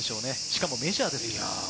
しかもメジャーで。